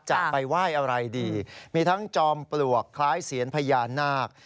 จะไปไหว้อะไรดีมีทั้งจอมปลวกคล้ายเซียนพญานาค